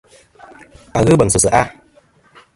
Wà n-ghɨ beŋsɨ seʼ a?